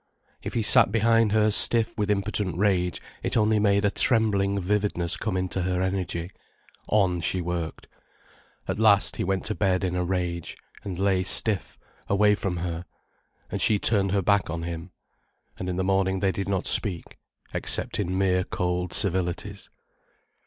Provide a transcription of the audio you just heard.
If he sat behind her stiff with impotent rage it only made a trembling vividness come into her energy. On she worked. At last he went to bed in a rage, and lay stiff, away from her. And she turned her back on him. And in the morning they did not speak, except in mere cold civilities.